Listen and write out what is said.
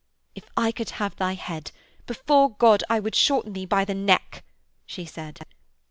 'If I could have thy head, before God I would shorten thee by the neck!' she said.